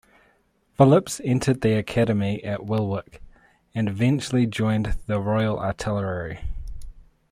Phillips entered the academy at Woolwich and eventually joined the Royal Artillery.